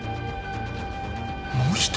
もう１人？